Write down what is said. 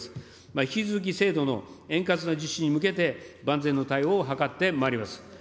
引き続き、制度の円滑な実施に向けて、万全の対応を図ってまいります。